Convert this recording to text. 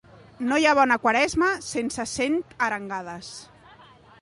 No hi ha bona Quaresma sense cent arengades.